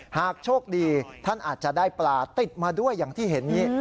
หากโชคดีท่านอาจจะได้ปลาติดมาด้วยอย่างที่เห็นนี้